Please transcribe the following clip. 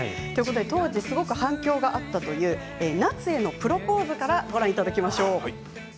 当時、反響があったというなつへのプロポーズからご覧いただきましょう。